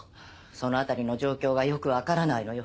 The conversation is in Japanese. そのあたりの状況がよくわからないのよ。